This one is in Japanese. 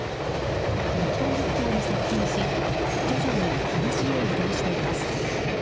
日本列島に接近し徐々に東へ移動しています。